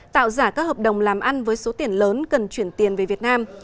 tạo giả các hợp đồng làm ăn với số tiền lớn cần chuyển tiền về việt nam